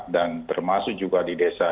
dan termasuk juga di desa